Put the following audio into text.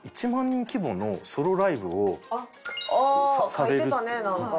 あ書いてたねなんか。